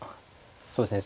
そうですね